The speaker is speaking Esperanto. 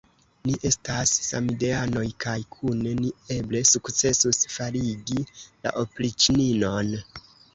Ni estas samideanoj kaj kune ni eble sukcesus faligi la opriĉninon.